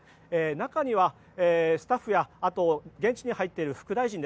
中にはスタッフやあと現地に入っている副大臣